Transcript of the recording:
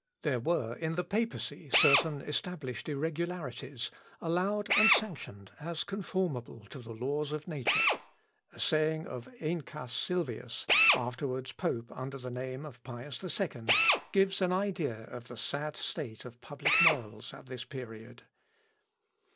There were in the papacy certain established irregularities, allowed and sanctioned as conformable to the laws of nature. A saying of Æneas Sylvius, afterwards pope under the name of Pius II, gives an idea of the sad state of public morals at this period.